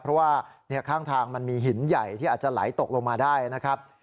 เพราะว่าข้างทางมันมีหินใหญ่ที่อาจจะไหลตกลงมาได้นะครับ